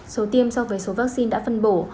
số tiêm so với số vaccine đã phân bổ